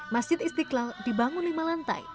masjid istiqlal dibangun lima lantai